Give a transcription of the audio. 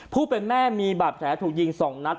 ผู้เป็นแม่มีบาดแผลถูกยิง๒นัด